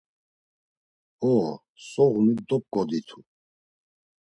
Ho, soğuni dop̌ǩoditu.